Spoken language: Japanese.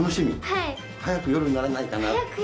はい！早く夜にならないかなって？